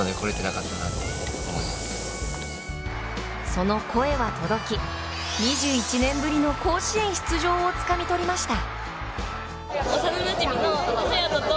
その声は届き、２１年ぶりの甲子園出場をつかみ取りました。